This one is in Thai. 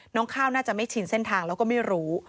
ข้าวน่าจะไม่ชินเส้นทางแล้วก็ไม่รู้